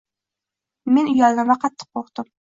Men uyaldim va qattiq qoʻrqdim.